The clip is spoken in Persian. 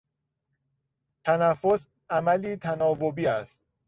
تنفس عملی تناوبی است.